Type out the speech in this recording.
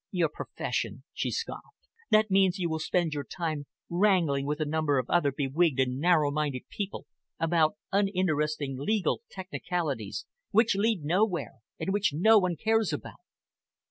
"Your profession!" she scoffed. "That means you will spend your time wrangling with a number of other bewigged and narrow minded people about uninteresting legal technicalities which lead nowhere and which no one cares about."